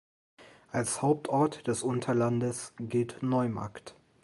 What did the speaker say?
Als Hauptort des Unterlandes gilt Neumarkt.